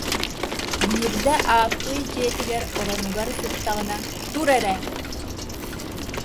Биирдэ Ааппый дьиэтигэр оронугар сыттаҕына: «Тур эрэ»